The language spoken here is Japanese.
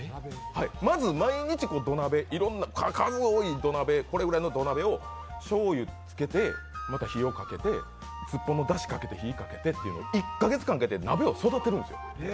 まず毎日土鍋、これぐらいの土鍋をしょうゆつけて火をつけてスッポンのだしをかけて火をかけてというのを１か月ぐらいかけて、鍋を育てるんですよ。